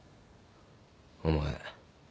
お前